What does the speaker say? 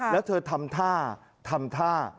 แล้วเธอทำท่าทำท่า